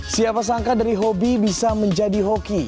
siapa sangka dari hobi bisa menjadi hoki